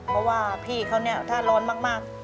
เพราะว่าพี่เขาเนี่ยถ้าร้อนมาก